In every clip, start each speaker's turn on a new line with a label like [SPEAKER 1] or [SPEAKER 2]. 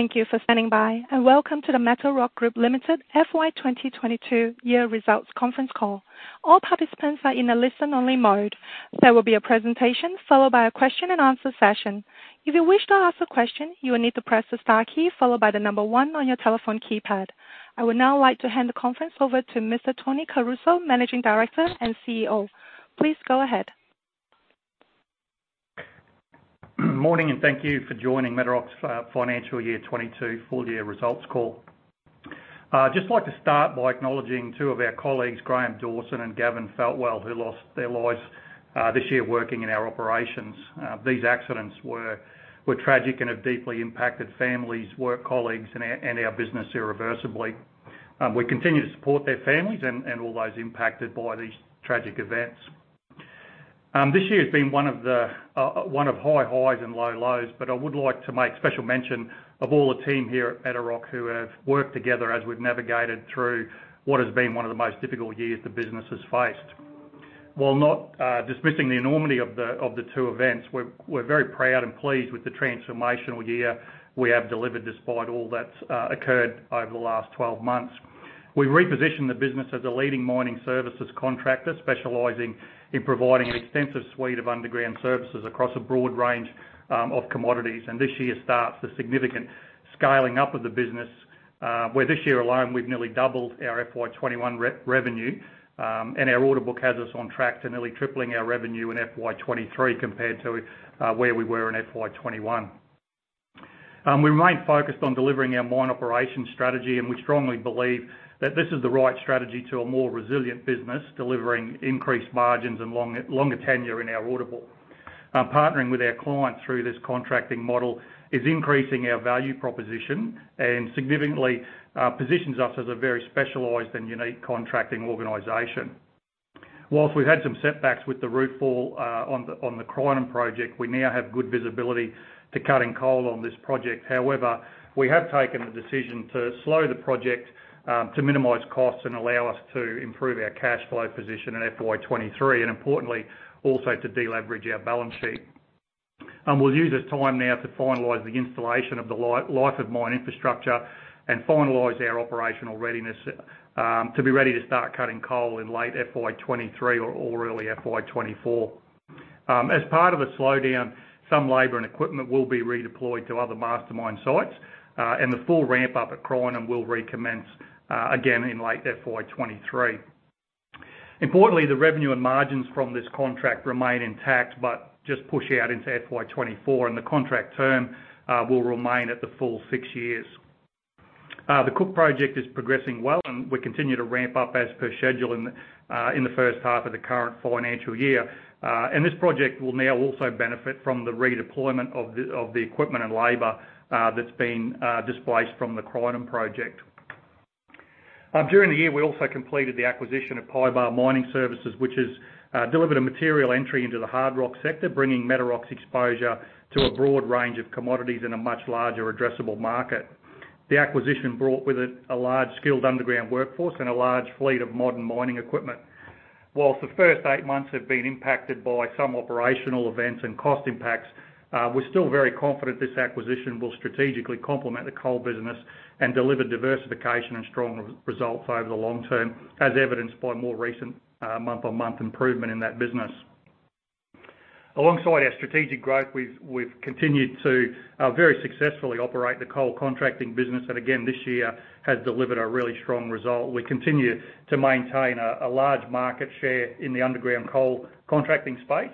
[SPEAKER 1] Thank you for standing by, and welcome to the Mastermyne Group Limited FY 2022 year results conference call. All participants are in a listen only mode. There will be a presentation followed by a question and answer session. If you wish to ask a question, you will need to press the star key followed by the number one on your telephone keypad. I would now like to hand the conference over to Mr. Tony Caruso, Managing Director and CEO. Please go ahead.
[SPEAKER 2] Morning, thank you for joining Mastermyne's financial year 2022 full year results call. Just like to start by acknowledging two of our colleagues, Graham Dawson and Gavin Feltwell, who lost their lives this year working in our operations. These accidents were tragic and have deeply impacted families, work colleagues and our business irreversibly. We continue to support their families and all those impacted by these tragic events. This year has been one of high highs and low lows, but I would like to make special mention of all the team here at Mastermyne who have worked together as we've navigated through what has been one of the most difficult years the business has faced. While not dismissing the enormity of the two events, we're very proud and pleased with the transformational year we have delivered despite all that's occurred over the last 12 months. We repositioned the business as a leading mining services contractor, specializing in providing an extensive suite of underground services across a broad range of commodities. This year starts the significant scaling up of the business, where this year alone we've nearly doubled our FY 2021 revenue, and our order book has us on track to nearly tripling our revenue in FY 2023 compared to where we were in FY 2021. We remain focused on delivering our mine operations strategy and we strongly believe that this is the right strategy to a more resilient business, delivering increased margins and longer tenure in our order book. Partnering with our clients through this contracting model is increasing our value proposition and significantly positions us as a very specialized and unique contracting organization. While we've had some setbacks with the roof fall on the Crinum project, we now have good visibility to cutting coal on this project. However, we have taken the decision to slow the project to minimize costs and allow us to improve our cash flow position in FY 2023 and importantly, also to deleverage our balance sheet. We'll use this time now to finalize the installation of the life of mine infrastructure and finalize our operational readiness to be ready to start cutting coal in late FY 2023 or early FY 2024. As part of a slowdown, some labor and equipment will be redeployed to other Mastermyne sites, and the full ramp up at Crinum will recommence again in late FY 2023. Importantly, the revenue and margins from this contract remain intact, but just push out into FY 2024, and the contract term will remain at the full six years. The Cook project is progressing well and we continue to ramp up as per schedule in the first half of the current financial year. This project will now also benefit from the redeployment of the equipment and labor that's been displaced from the Crinum project. During the year, we also completed the acquisition of Pybar Mining Services, which has delivered a material entry into the hard rock sector, bringing Metarock's exposure to a broad range of commodities in a much larger addressable market. The acquisition brought with it a large skilled underground workforce and a large fleet of modern mining equipment. While the first eight months have been impacted by some operational events and cost impacts, we're still very confident this acquisition will strategically complement the coal business and deliver diversification and strong results over the long term, as evidenced by more recent month-on-month improvement in that business. Alongside our strategic growth, we've continued to very successfully operate the coal contracting business that again this year has delivered a really strong result. We continue to maintain a large market share in the underground coal contracting space,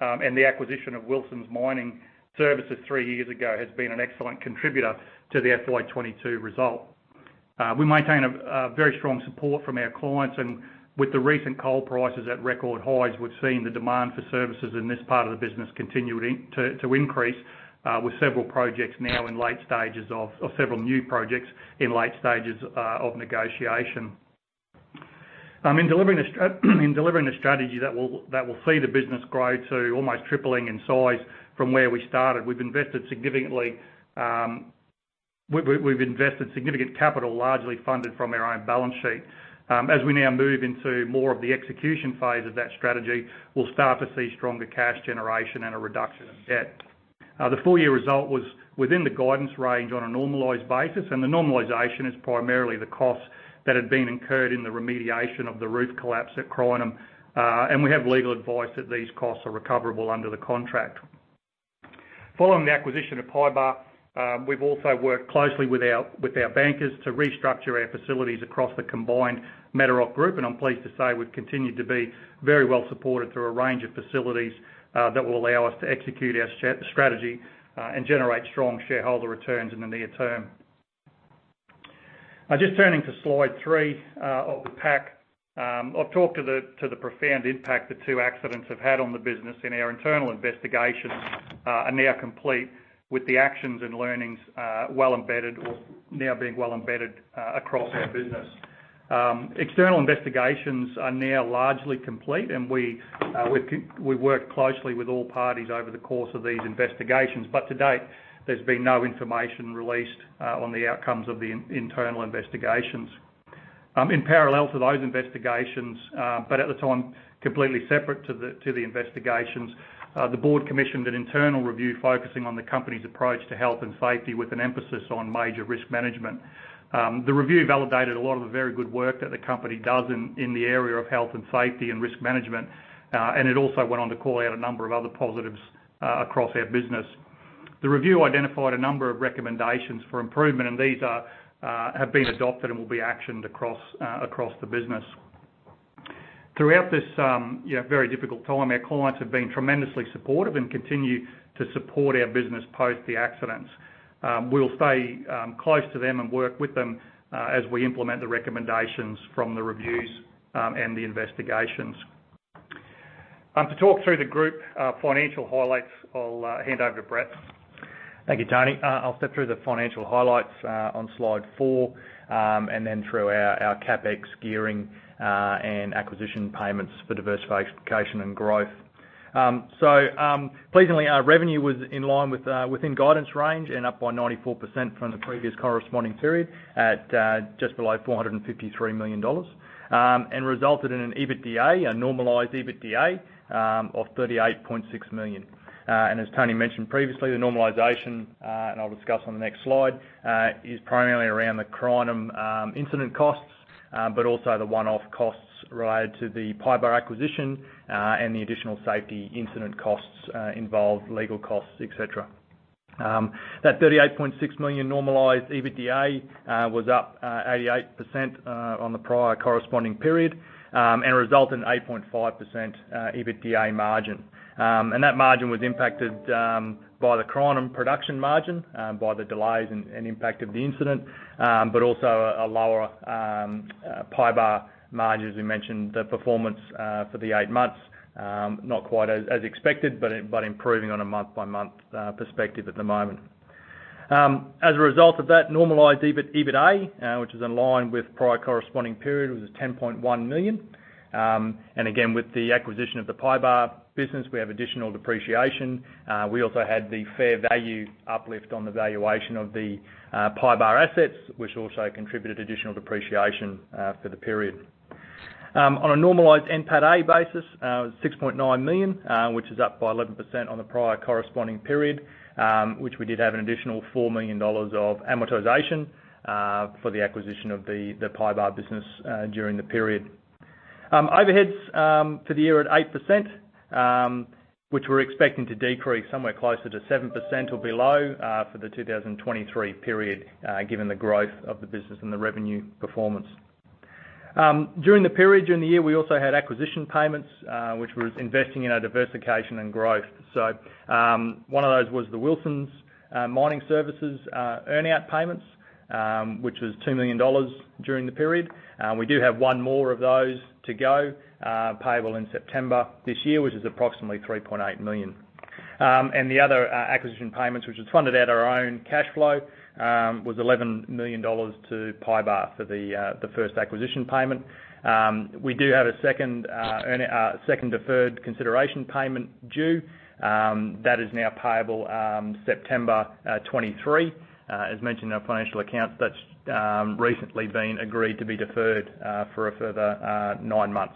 [SPEAKER 2] and the acquisition of Wilson Mining Services three years ago has been an excellent contributor to the FY '22 result. We maintain a very strong support from our clients, and with the recent coal prices at record highs, we've seen the demand for services in this part of the business continuing to increase, with several new projects in late stages of negotiation. In delivering the strategy that will see the business grow to almost tripling in size from where we started, we've invested significantly. We've invested significant capital, largely funded from our own balance sheet. As we now move into more of the execution phase of that strategy, we'll start to see stronger cash generation and a reduction in debt. The full year result was within the guidance range on a normalized basis and the normalization is primarily the costs that had been incurred in the remediation of the roof collapse at Crinum and we have legal advice that these costs are recoverable under the contract. Following the acquisition of Pybar, we've also worked closely with our bankers to restructure our facilities across the combined Metarock Group and I'm pleased to say we've continued to be very well supported through a range of facilities that will allow us to execute our strategy and generate strong shareholder returns in the near term. Just turning to slide three of the pack. I've talked about the profound impact the two accidents have had on the business and our internal investigations are now complete with the actions and learnings well embedded or now being well embedded across our business. External investigations are now largely complete and we work closely with all parties over the course of these investigations. To date, there's been no information released on the outcomes of the internal investigations. In parallel to those investigations, but at the time completely separate to the investigations, the board commissioned an internal review focusing on the company's approach to health and safety with an emphasis on major risk management. The review validated a lot of the very good work that the company does in the area of health and safety and risk management. It also went on to call out a number of other positives across our business. The review identified a number of recommendations for improvement and these have been adopted and will be actioned across the business. Throughout this, you know, very difficult time, our clients have been tremendously supportive and continue to support our business post the accidents. We'll stay close to them and work with them as we implement the recommendations from the reviews and the investigations. To talk through the group financial highlights, I'll and over to Brett.
[SPEAKER 3] Thank you, Tony. I'll step through the financial highlights on slide four, and then through our CapEx gearing and acquisition payments for diversification and growth. Pleasantly, our revenue was in line within guidance range and up by 94% from the previous corresponding period at just below 453 million dollars, and resulted in an EBITDA, a normalized EBITDA, of 38.6 million. As Tony mentioned previously, the normalization and I'll discuss on the next slide is primarily around the Crinum incident costs, but also the one off costs related to the Pybar acquisition, and the additional safety incident costs involved, legal costs, et cetera. That 38.6 million normalized EBITDA was up 88% on the prior corresponding period and resulted in 8.5% EBITDA margin. That margin was impacted by the Crinum production margin by the delays and impact of the incident but also a lower Pybar margin, as we mentioned, the performance for the eight months not quite as expected but improving on a month by month perspective at the moment. As a result of that normalized NPATA, which is in line with prior corresponding period, was 10.1 million. Again, with the acquisition of the Pybar business, we have additional depreciation. We also had the fair value uplift on the valuation of the Pybar assets, which also contributed additional depreciation for the period. On a normalized NPATA basis, it was 6.9 million, which is up by 11% on the prior corresponding period, which we did have an additional 4 million dollars of amortization for the acquisition of the Pybar business during the period. Overheads for the year at 8%, which we're expecting to decrease somewhere closer to 7% or below for the 2023 period, given the growth of the business and the revenue performance. During the year, we also had acquisition payments, which was investing in our diversification and growth. One of those was the Wilson Mining Services earn out payments, which was 2 million dollars during the period. We do have one more of those to go, payable in September this year, which is approximately 3.8 million. The other acquisition payments, which was funded out of our own cash flow, was 11 million dollars to Pybar for the first acquisition payment. We do have a second deferred consideration payment due that is now payable September 2023. As mentioned in our financial accounts, that's recently been agreed to be deferred for a further nine months.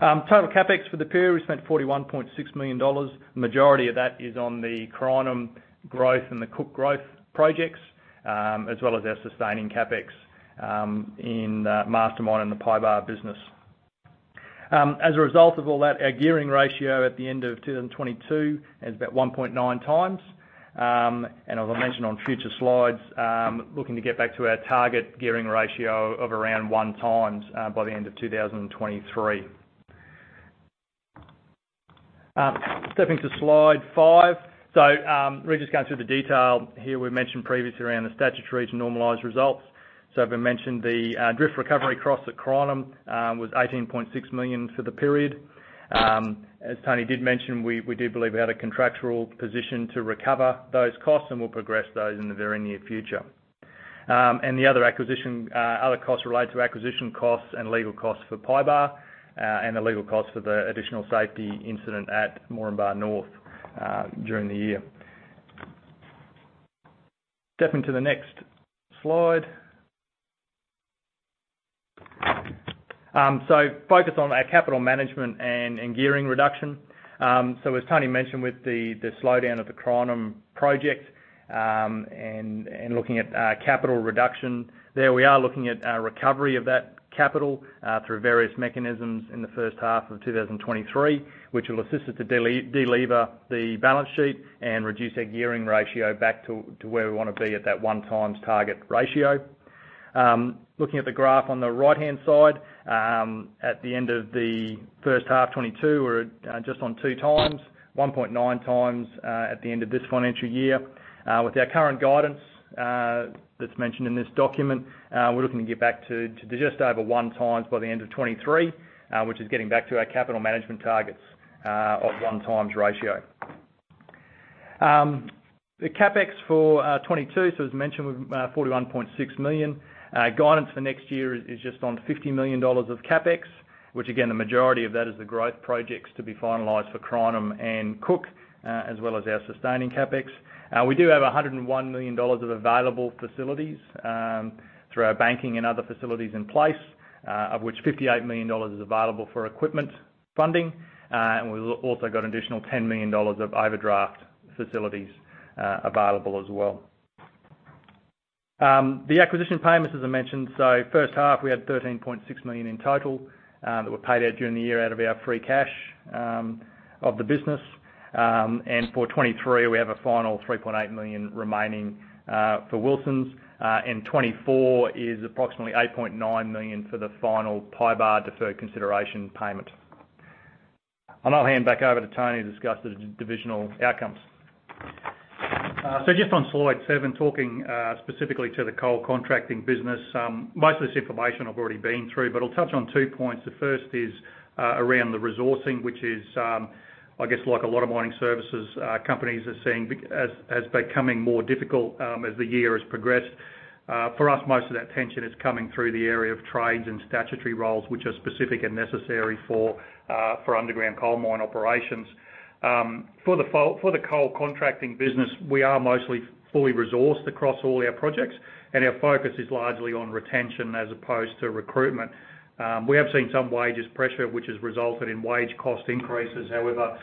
[SPEAKER 3] Total CapEx for the period, we spent 41.6 million dollars. Majority of that is on the Crinum growth and the Cook growth projects, as well as our sustaining CapEx, in the Mastermyne and the Pybar business. As a result of all that, our gearing ratio at the end of 2022 is about 1.9x. As I'll mention on future slides, looking to get back to our target gearing ratio of around 1x, by the end of 2023. Stepping to slide five. We're just going through the detail here we mentioned previously around the statutory to normalized results. I've mentioned the, drift recovery costs at Crinum, was 18.6 million for the period. As Tony did mention, we do believe we had a contractual position to recover those costs, and we'll progress those in the very near future. The other costs related to acquisition costs and legal costs for Pybar, and the legal costs for the additional safety incident at Moranbah North, during the year. Stepping to the next slide. Focused on our capital management and gearing reduction. As Tony mentioned with the slowdown of the Crinum project, and looking at capital reduction, there we are looking at our recovery of that capital through various mechanisms in the first half of 2023, which will assist us to delever the balance sheet and reduce our gearing ratio back to where we wanna be at that 1x target ratio. Looking at the graph on the right hand side, at the end of the first half 2022, we're at just on 2x, 1.9x, at the end of this financial year. With our current guidance, that's mentioned in this document, we're looking to get back to just over 1x by the end of 2023, which is getting back to our capital management targets of 1x ratio. The CapEx for 2022, so as mentioned, was 41.6 million. Guidance for next year is just on 50 million dollars of CapEx, which again, the majority of that is the growth projects to be finalized for Crinum and Cook, as well as our sustaining CapEx. We do have 101 million dollars of available facilities through our banking and other facilities in place, of which 58 million dollars is available for equipment funding. We've also got an additional 10 million dollars of overdraft facilities available as well. The acquisition payments, as I mentioned, first half, we had 13.6 million in total that were paid out during the year out of our free cash of the business. For 2023, we have a final 3.8 million remaining for Wilson's, and 2024 is approximately 8.9 million for the final Pybar deferred consideration payment. I'll hand back over to Tony to discuss the divisional outcomes.
[SPEAKER 2] Just on slide seven, talking specifically to the coal contracting business. Most of this information I've already been through, but I'll touch on two points. The first is around the resourcing, which is I guess like a lot of mining services companies are seeing as becoming more difficult as the year has progressed. For us, most of that tension is coming through the area of trades and statutory roles, which are specific and necessary for underground coal mine operations. For the coal contracting business, we are mostly fully resourced across all our projects, and our focus is largely on retention as opposed to recruitment. We have seen some wages pressure, which has resulted in wage cost increases. However,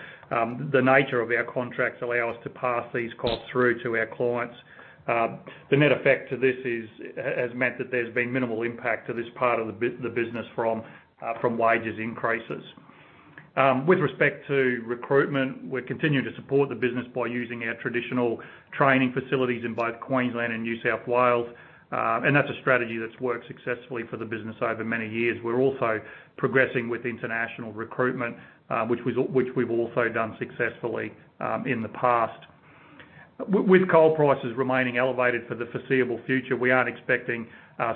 [SPEAKER 2] the nature of our contracts allow us to pass these costs through to our clients. The net effect to this is has meant that there's been minimal impact to this part of the business from wages increases. With respect to recruitment, we're continuing to support the business by using our traditional training facilities in both Queensland and New South Wales. That's a strategy that's worked successfully for the business over many years. We're also progressing with international recruitment, which we've also done successfully in the past. With coal prices remaining elevated for the foreseeable future, we aren't expecting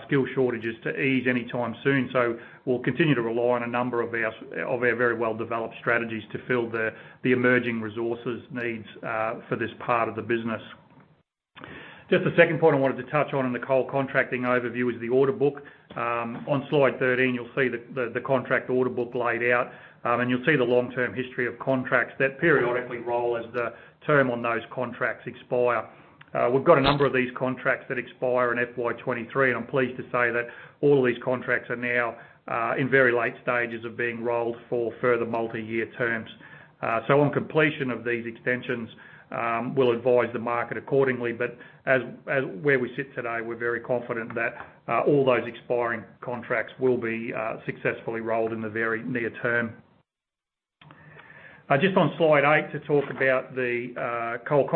[SPEAKER 2] skill shortages to ease anytime soon, so we'll continue to rely on a number of our very well developed strategies to fill the emerging resources needs for this part of the business. Just the second point I wanted to touch on in the coal contracting overview is the order book. On slide 13, you'll see the contract order book laid out, and you'll see the long term history of contracts that periodically roll as the term on those contracts expire. We've got a number of these contracts that expire in FY '23, and I'm pleased to say that all of these contracts are now in very late stages of being rolled for further multi year terms. On completion of these extensions, we'll advise the market accordingly. Where we sit today, we're very confident that all those expiring contracts will be successfully rolled in the very near term. Just on slide eight to talk about the coal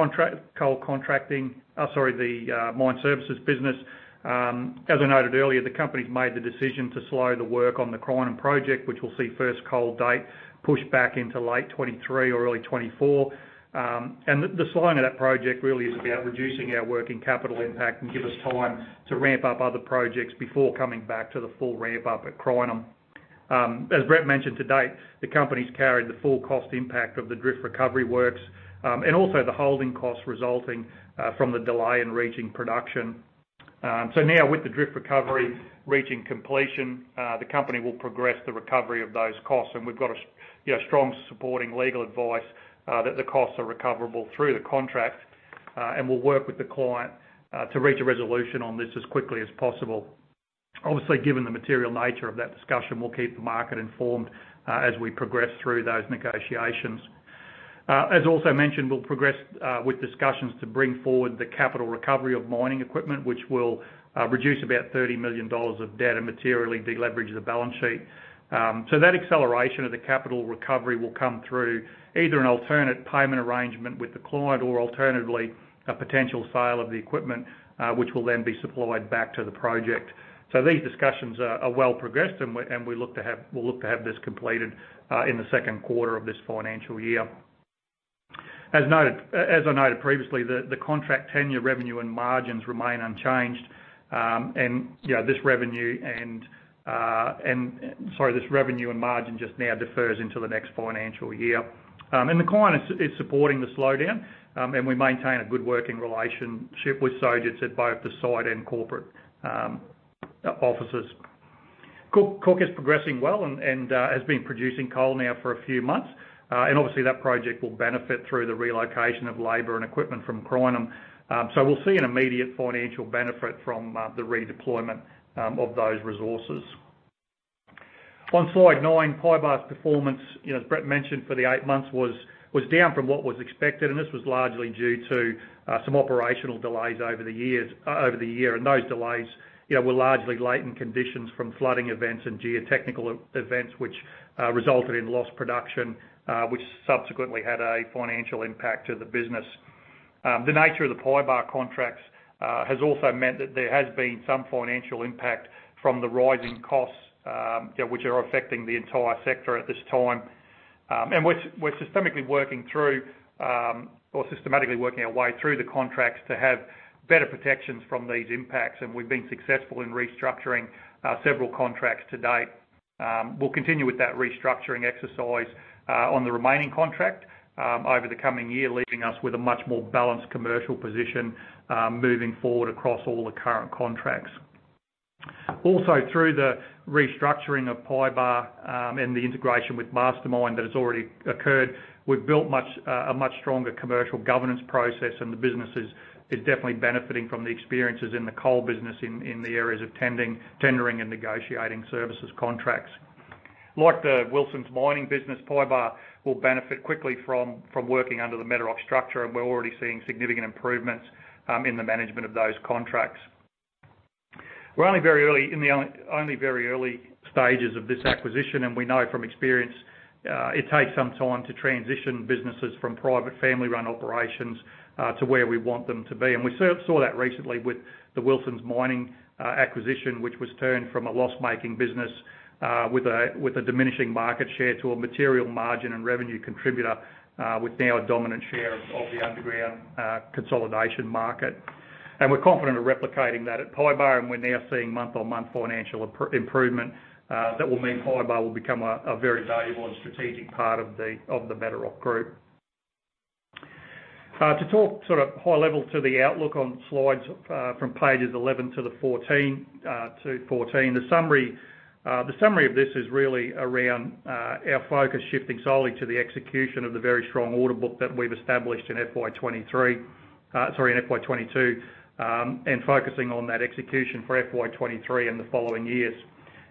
[SPEAKER 2] contracting, sorry, the mine services business. As I noted earlier, the company's made the decision to slow the work on the Crinum project, which will see first coal date pushed back into late 2023 or early 2024. The slowing of that project really is about reducing our working capital impact and give us time to ramp up other projects before coming back to the full ramp up at Crinum. As Brett mentioned to date, the company's carried the full cost impact of the drift recovery works and also the holding costs resulting from the delay in reaching production. Now with the drift recovery reaching completion, the company will progress the recovery of those costs. We've got you know, strong supporting legal advice that the costs are recoverable through the contract and we'll work with the client to reach a resolution on this as quickly as possible. Obviously, given the material nature of that discussion, we'll keep the market informed as we progress through those negotiations. As also mentioned, we'll progress with discussions to bring forward the capital recovery of mining equipment, which will reduce about 30 million dollars of debt and materially de-leverage the balance sheet. So that acceleration of the capital recovery will come through either an alternate payment arrangement with the client or alternatively, a potential sale of the equipment, which will then be supplied back to the project. These discussions are well progressed and we'll look to have this completed in the second quarter of this financial year. As noted, as I noted previously, the contract tenure, revenue and margins remain unchanged. You know, this revenue and margin just now defers into the next financial year. The client is supporting the slowdown, and we maintain a good working relationship with Sojitz at both the site and corporate offices. Cook is progressing well and has been producing coal now for a few months. Obviously, that project will benefit through the relocation of labor and equipment from Crinum. We'll see an immediate financial benefit from the redeployment of those resources. On slide 9, Pybar's performance, you know, as Brett mentioned for the 8 months was down from what was expected, and this was largely due to some operational delays over the year. Those delays, you know, were largely latent conditions from flooding events and geotechnical events which resulted in lost production, which subsequently had a financial impact to the business. The nature of the Pybar contracts has also meant that there has been some financial impact from the rising costs, you know, which are affecting the entire sector at this time. We're systematically working our way through the contracts to have better protections from these impacts, and we've been successful in restructuring several contracts to date. We'll continue with that restructuring exercise on the remaining contract over the coming year, leaving us with a much more balanced commercial position moving forward across all the current contracts. Also through the restructuring of Pybar and the integration with Mastermyne that has already occurred, we've built a much stronger commercial governance process, and the business is definitely benefiting from the experiences in the coal business in the areas of tendering and negotiating services contracts. Like the Wilson Mining business, Pybar will benefit quickly from working under the Metarock structure and we're already seeing significant improvements in the management of those contracts. We're only very early in the very early stages of this acquisition, and we know from experience, it takes some time to transition businesses from private family run operations, to where we want them to be. We saw that recently with the Wilson Mining Services acquisition, which was turned from a loss-making business, with a diminishing market share to a material margin and revenue contributor, with now a dominant share of the underground consolidation market. We're confident of replicating that at Pybar, and we're now seeing month on month financial improvement, that will mean Pybar will become a very valuable and strategic part of the Metarock group. To talk sort of high level to the outlook on slides, from pages 11-14. The summary of this is really around our focus shifting solely to the execution of the very strong order book that we've established in FY '23, sorry, in FY '22, and focusing on that execution for FY '23 and the following years.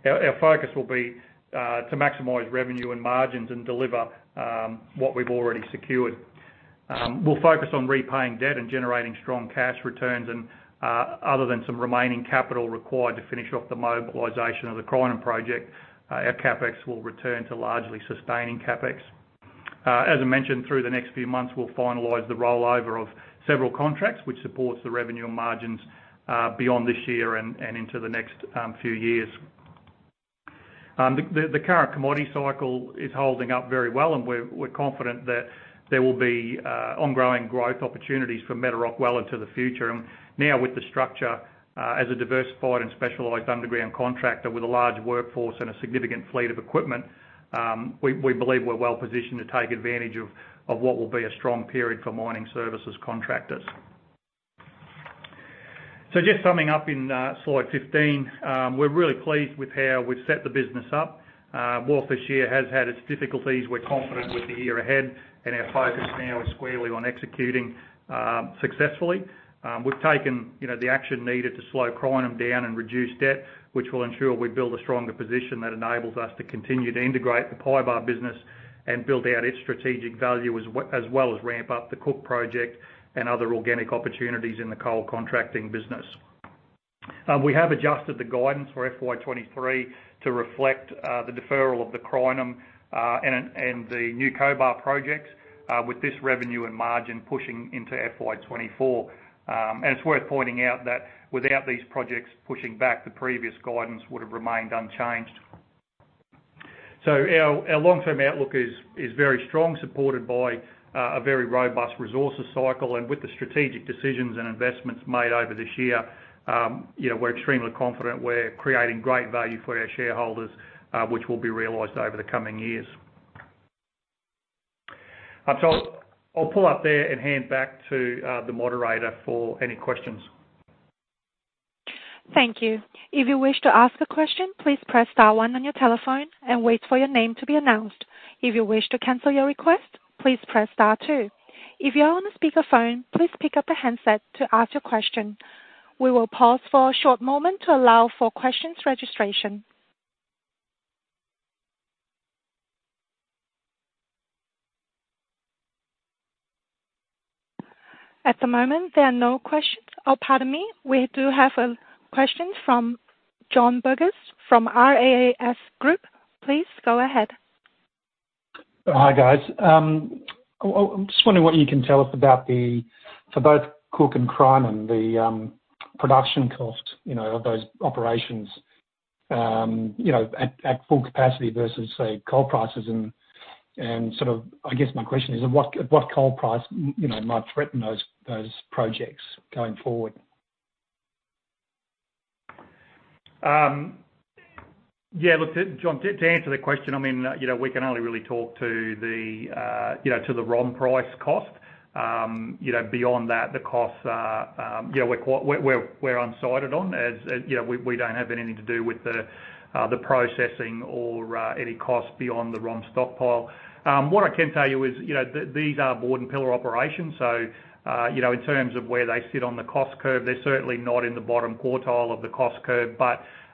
[SPEAKER 2] Our focus will be to maximize revenue and margins and deliver what we've already secured. We'll focus on repaying debt and generating strong cash returns and other than some remaining capital required to finish off the mobilization of the Crinum project, our CapEx will return to largely sustaining CapEx. As I mentioned, through the next few months, we'll finalize the rollover of several contracts, which supports the revenue and margins beyond this year and into the next few years. The current commodity cycle is holding up very well, and we're confident that there will be ongoing growth opportunities for Metarock well into the future. Now with the structure as a diversified and specialized underground contractor with a large workforce and a significant fleet of equipment, we believe we're well positioned to take advantage of what will be a strong period for mining services contractors. Just summing up in slide 15, we're really pleased with how we've set the business up. Well, this year has had its difficulties. We're confident with the year ahead, and our focus now is squarely on executing successfully. We've taken, you know, the action needed to slow Crinum down and reduce debt, which will ensure we build a stronger position that enables us to continue to integrate the Pybar business and build out its strategic value as well as ramp up the Cook project and other organic opportunities in the coal contracting business. We have adjusted the guidance for FY '23 to reflect the deferral of the Crinum and the new Cobar projects with this revenue and margin pushing into FY '24. It's worth pointing out that without these projects pushing back, the previous guidance would have remained unchanged. Our long-term outlook is very strong, supported by a very robust resources cycle. With the strategic decisions and investments made over this year, you know, we're extremely confident we're creating great value for our shareholders, which will be realized over the coming years. I'll pull up there and hand back to the moderator for any questions.
[SPEAKER 1] Thank you. If you wish to ask a question, please press star one on your telephone and wait for your name to be announced. If you wish to cancel your request, please press star two. If you're on a speaker phone, please pick up the handset to ask your question. We will pause for a short moment to allow for questions registration. At the moment, there are no questions. Oh, pardon me. We do have a question from John Burgess from RBC Capital Markets. Please go ahead.
[SPEAKER 4] Hi, guys. Well, I'm just wondering what you can tell us about the, for both Cook and Crinum, the production cost, you know, of those operations, you know, at full capacity versus, say, coal prices. Sort of, I guess my question is at what coal price might threaten those projects going forward?
[SPEAKER 2] Yeah, look, John, to answer the question, I mean, you know, we can only really talk to the, you know, to the ROM price cost. Beyond that, the costs are, yeah, we're unsighted on. As you know, we don't have anything to do with the processing or, any cost beyond the ROM stockpile. What I can tell you is, you know, these are bord and pillar operations, so, you know, in terms of where they sit on the cost curve, they're certainly not in the bottom quartile of the cost curve.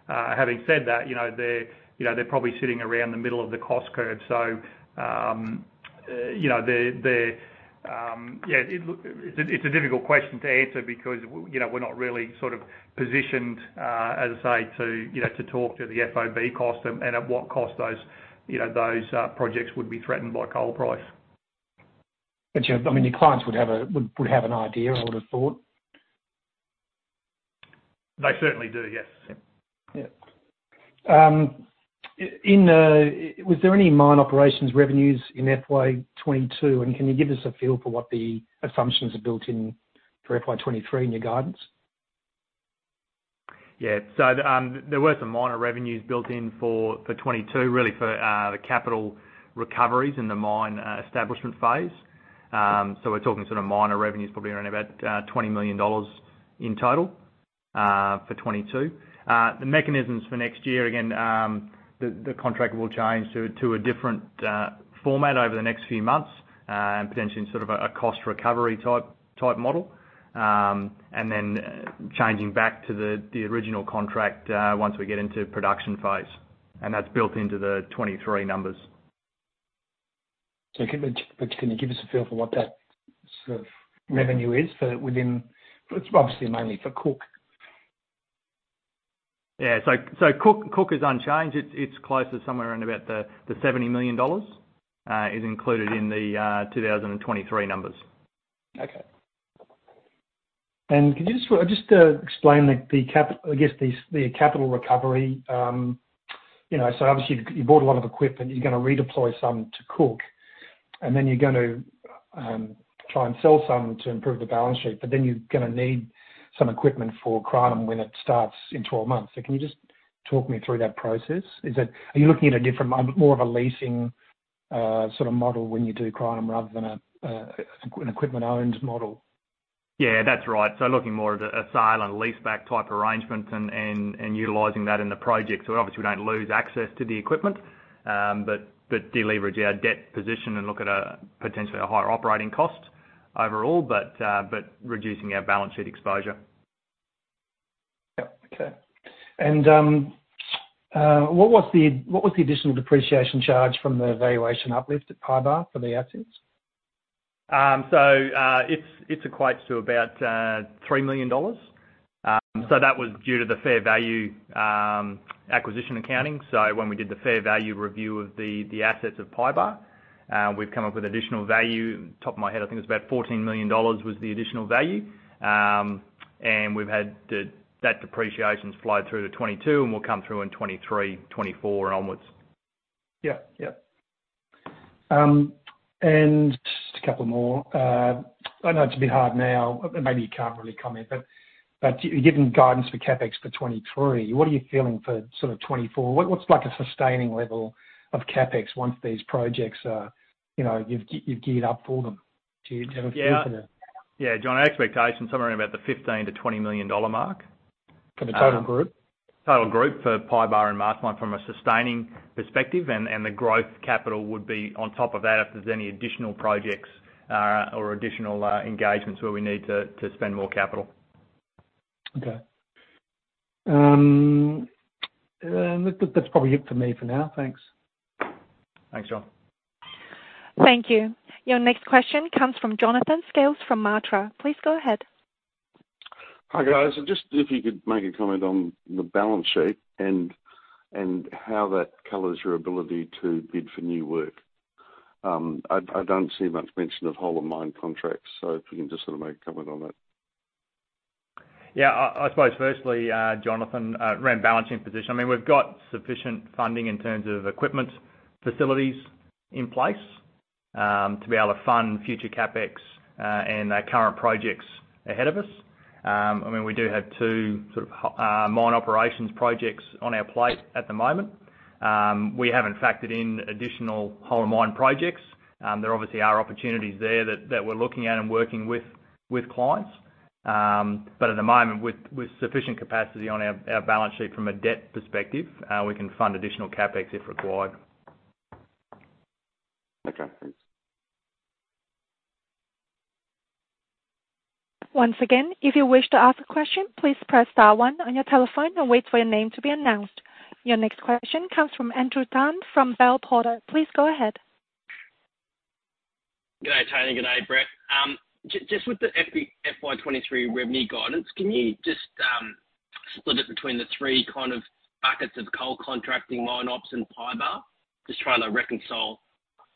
[SPEAKER 2] Having said that, you know, they're probably sitting around the middle of the cost curve. You know, the difficult question to answer because you know, we're not really sort of positioned, as I say to, you know, to talk to the FOB cost and at what cost those, you know, those projects would be threatened by coal price.
[SPEAKER 4] I mean, your clients would have an idea, I would've thought.
[SPEAKER 2] They certainly do, yes.
[SPEAKER 4] Was there any mine operations revenues in FY '22, and can you give us a feel for what the assumptions are built in for FY '23 in your guidance?
[SPEAKER 2] There were some minor revenues built in for 2022, really for the capital recoveries in the mine establishment phase. We're talking sort of minor revenues, probably around about 20 million dollars in total.
[SPEAKER 3] For 2022. The mechanisms for next year, again, the contract will change to a different format over the next few months, and potentially in sort of a cost recovery type model, and then changing back to the original contract once we get into production phase, and that's built into the 2023 numbers.
[SPEAKER 4] Can you give us a feel for what that sort of revenue is for. It's obviously mainly for Cook.
[SPEAKER 3] Cook is unchanged. It's closer somewhere around about the 70 million dollars is included in the 2023 numbers.
[SPEAKER 4] Okay. Could you just explain the capital recovery. You know, obviously you bought a lot of equipment, you're gonna redeploy some to Cook, and then you're going to try and sell some to improve the balance sheet, but then you're gonna need some equipment for Crinum when it starts in 12 months. Can you just talk me through that process? Is it? Are you looking at a different model, more of a leasing sort of model when you do Crinum rather than an equipment owned model?
[SPEAKER 3] Yeah, that's right. Looking more at a sale and lease back type arrangement and utilizing that in the project. Obviously we don't lose access to the equipment, but de-leverage our debt position and look at a potentially higher operating cost overall, but reducing our balance sheet exposure.
[SPEAKER 4] Yep. Okay. What was the additional depreciation charge from the valuation uplift at Pybar for the assets? It equates to about 3 million dollars. That was due to the fair value acquisition accounting. When we did the fair value review of the assets of Pybar, we've come up with additional value. Off the top of my head, I think it was about 14 million dollars was the additional value. We've had that depreciation slide through to 2022 and will come through in 2023, 2024 onwards. Yeah. Just a couple more. I know it's a bit hard now, but maybe you can't really comment, but you've given guidance for CapEx for 2023. What are you feeling for sort of 2024? What's like a sustaining level of CapEx once these projects are, you know, you've geared up for them? Do you have a feel for that?
[SPEAKER 3] Yeah. Yeah. John, our expectation is somewhere around about the 15 million-20 million dollar mark.
[SPEAKER 4] For the total group?
[SPEAKER 3] Total group for Pybar and Mastermyne from a sustaining perspective. The growth capital would be on top of that if there's any additional projects or additional engagements where we need to spend more capital.
[SPEAKER 4] Okay. That's probably it for me for now. Thanks.
[SPEAKER 3] Thanks, John.
[SPEAKER 1] Thank you. Your next question comes from Jonathan Scales from Macquarie. Please go ahead.
[SPEAKER 5] Hi, guys. Just if you could make a comment on the balance sheet and how that colors your ability to bid for new work. I don't see much mention of whole of mine contracts, so if you can just sort of make a comment on that.
[SPEAKER 3] Yeah. I suppose firstly, Jonathan, around balance sheet position. I mean, we've got sufficient funding in terms of equipment facilities in place to be able to fund future CapEx and our current projects ahead of us. I mean, we do have two sort of mine operations projects on our plate at the moment. We haven't factored in additional whole of mine projects. There obviously are opportunities there that we're looking at and working with clients. At the moment, with sufficient capacity on our balance sheet from a debt perspective, we can fund additional CapEx if required.
[SPEAKER 5] Okay, thanks.
[SPEAKER 1] Once again, if you wish to ask a question, please press star one on your telephone and wait for your name to be announced. Your next question comes from Andrew Tan from Bell Potter. Please go ahead.
[SPEAKER 6] Good day, Tony. Good day, Brett. Just with the FY 2023 revenue guidance, can you just split it between the three kind of buckets of coal contracting, mine ops and Pybar? Just trying to reconcile,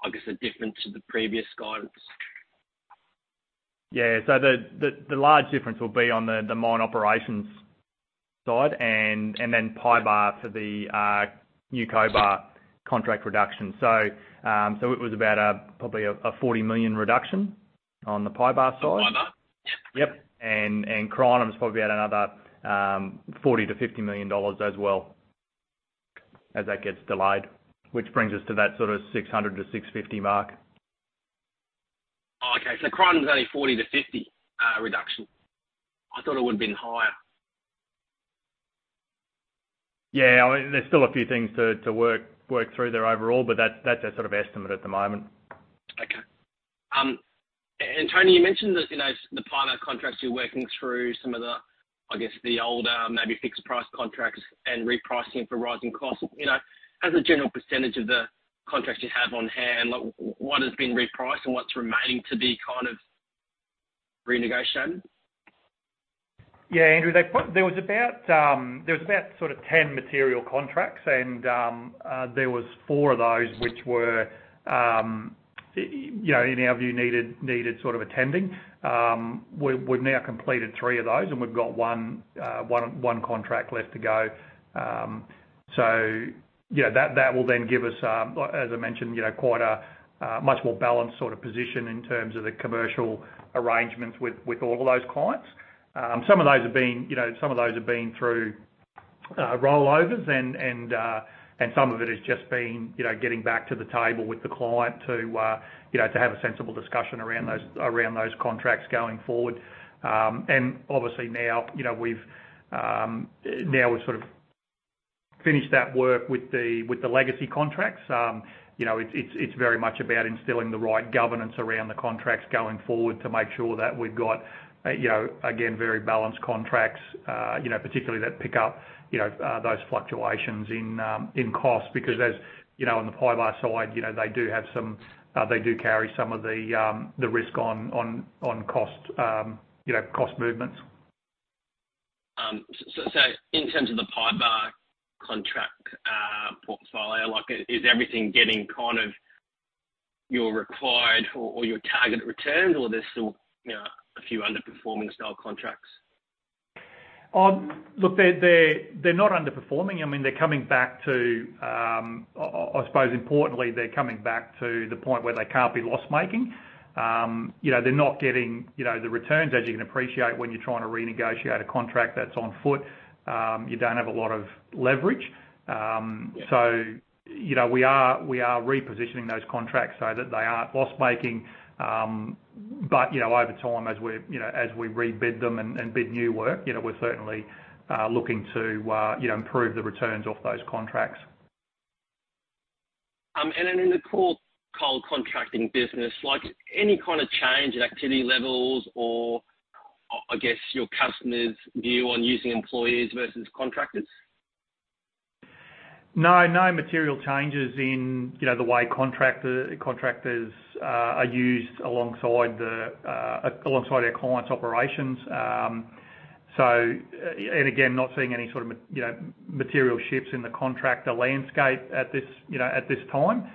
[SPEAKER 6] I guess, the difference to the previous guidance.
[SPEAKER 3] Yeah. The large difference will be on the mine operations side and then Pybar for the new Cobar contract reduction. It was about probably a 40 million reduction on the Pybar side.
[SPEAKER 6] On Pybar?
[SPEAKER 3] Yep. Crinum's probably about another 40 million-50 million dollars as well as that gets delayed, which brings us to that sort of 600 million-650 million mark.
[SPEAKER 6] Oh, okay. Crinum's only 40-50 reduction. I thought it would have been higher.
[SPEAKER 3] Yeah. I mean, there's still a few things to work through there overall, but that's our sort of estimate at the moment.
[SPEAKER 6] Okay. Tony, you mentioned that, you know, the Pybar contracts, you're working through some of the, I guess, the older maybe fixed price contracts and repricing for rising costs. You know, as a general percentage of the contracts you have on hand, like what has been repriced and what's remaining to be kind of renegotiated?
[SPEAKER 3] Yeah. Andrew, there was about sort of ten material contracts and there was four of those which were, you know, in our view, needed sort of attending. We've now completed three of those and we've got one contract left to go. Yeah, that will then give us, as I mentioned, you know, quite a much more balanced sort of position in terms of the commercial arrangements with all of those clients. Some of those have been, you know, through.
[SPEAKER 2] Rollover and some of it has just been, you know, getting back to the table with the client to, you know, to have a sensible discussion around those contracts going forward. Obviously now, you know, we've now sort of finished that work with the legacy contracts. You know, it's very much about instilling the right governance around the contracts going forward to make sure that we've got, you know, again, very balanced contracts, you know, particularly that pick up, you know, those fluctuations in cost. Because as you know, on the Pybar side, you know, they do have some, they do carry some of the risk on cost, you know, cost movements.
[SPEAKER 6] In terms of the Pybar contract portfolio, like is everything getting kind of your required or your targeted returns or there's still, you know, a few underperforming style contracts?
[SPEAKER 2] Look, they're not underperforming. I mean, they're coming back to, I suppose importantly, they're coming back to the point where they can't be loss making. You know, they're not getting, you know, the returns as you can appreciate when you're trying to renegotiate a contract that's on foot. You know, we are repositioning those contracts so that they aren't loss making. But, you know, over time as we're, you know, as we rebid them and bid new work, you know, we're certainly looking to, you know, improve the returns off those contracts.
[SPEAKER 6] In the coal contracting business, like any kind of change in activity levels or, I guess your customers' view on using employees versus contractors?
[SPEAKER 2] No material changes in, you know, the way contractors are used alongside our clients operations. Again, not seeing any sort of, you know, material shifts in the contractor landscape at this, you know, at this time.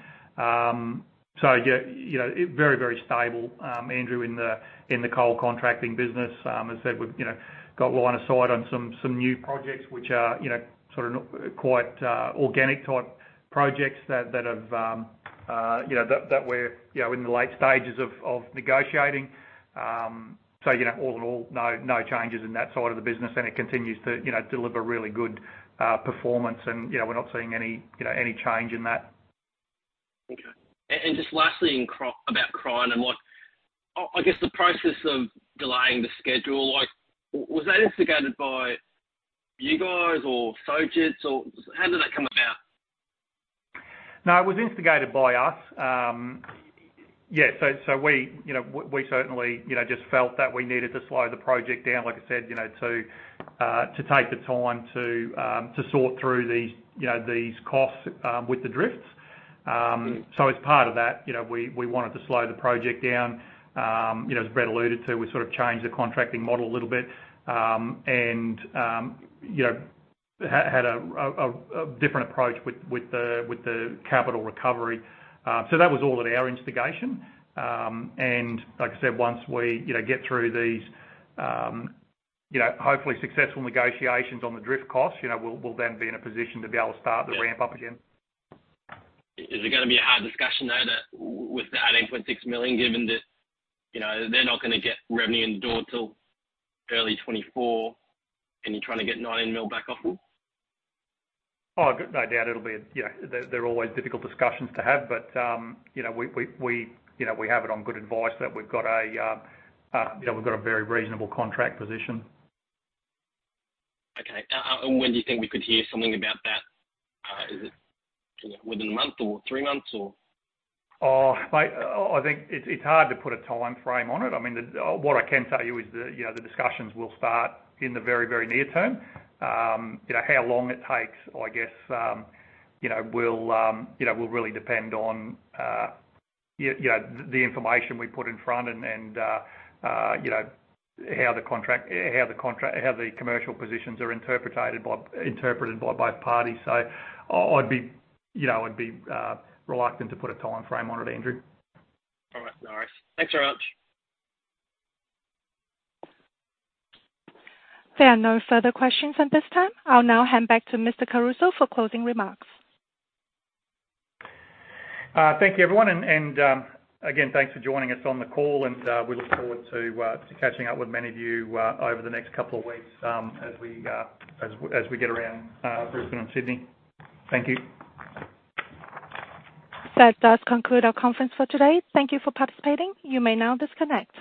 [SPEAKER 2] Yeah, you know, very stable, Andrew, in the coal contracting business. As I said we've, you know, got line of sight on some new projects which are, you know, sort of not quite organic type projects that have, you know, that we're, you know, in the late stages of negotiating. You know, all in all, no changes in that side of the business and it continues to, you know, deliver really good performance and, you know, we're not seeing any, you know, any change in that.
[SPEAKER 6] Okay. Just lastly about Crinum and what I guess the process of delaying the schedule, like was that instigated by you guys or Sojitz or how did that come about?
[SPEAKER 2] No, it was instigated by us. Yeah, we, you know, we certainly, you know, just felt that we needed to slow the project down, like I said, you know, to take the time to sort through these, you know, these costs with the drifts. As part of that, you know, we wanted to slow the project down. You know, as Brett alluded to, we sort of changed the contracting model a little bit. You know, had a different approach with the capital recovery. That was all at our instigation. Like I said, once we, you know, get through these, you know, hopefully successful negotiations on the drift costs, you know, we'll then be in a position to be able to start the ramp up again.
[SPEAKER 6] Is it gonna be a hard discussion, though, that with the 18.6 million, given that, you know, they're not gonna get revenue in the door till early 2024 and you're trying to get 19 million back off them?
[SPEAKER 2] Oh, no doubt it'll be, you know, they're always difficult discussions to have. You know, we, you know, we have it on good advice that we've got a very reasonable contract position.
[SPEAKER 6] Okay. When do you think we could hear something about that? Is it, you know within a month or three months, or?
[SPEAKER 2] Oh, mate, I think it's hard to put a timeframe on it. I mean, what I can tell you is, you know, the discussions will start in the very, very near term. You know, how long it takes, I guess, you know, will really depend on, yeah you know the information we put in front and you know, how the contract, how the commercial positions are interpreted by both parties. I'd be, you know, reluctant to put a timeframe on it, Andrew.
[SPEAKER 6] All right, no worries. Thanks very much.
[SPEAKER 1] There are no further questions at this time. I'll now hand back to Mr. Caruso for closing remarks.
[SPEAKER 2] Thank you, everyone. Again, thanks for joining us on the call, and we look forward to catching up with many of you over the next couple of weeks, as we get around Brisbane and Sydney. Thank you.
[SPEAKER 1] That does conclude our conference for today. Thank you for participating. You may now disconnect.